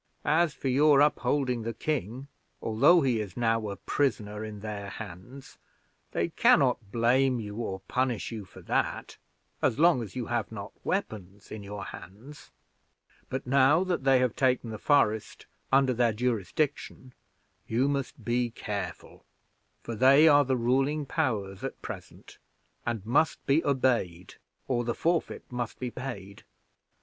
As for your upholding the king, although he is now a prisoner in their hands, they can not blame you or punish you for that, as long as you have not weapons in your hands; but now that they have taken the forest under their jurisdiction, you must be careful, for they are the ruling powers at present, and must be obeyed, or the forfeit must be paid.